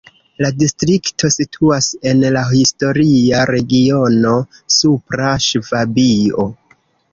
La distrikto situas en la historia regiono Supra Ŝvabio.